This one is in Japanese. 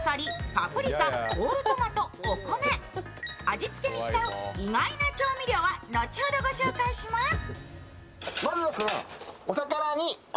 味付けに使う意外な調味料は後ほどご紹介します。